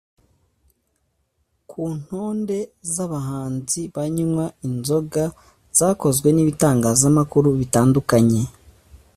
Ku ntonde z’abahanzi banywa inzoga zakozwe n’ibitangazamakuru bitandukanye